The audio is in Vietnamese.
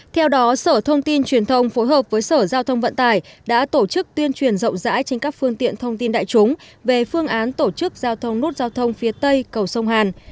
theo đó sở thông tin truyền thông phối hợp với sở giao thông vận tải đã tổ chức tuyên truyền rộng rãi trên các phương tiện thông tin đại chúng về phương án tổ chức giao thông nút giao thông phía tây cầu sông hàn